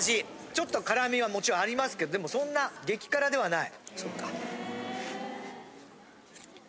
ちょっと辛味はもちろんありますけどでもそんな激辛ではない。